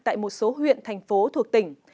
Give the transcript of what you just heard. tại một số huyện thành phố thuộc tỉnh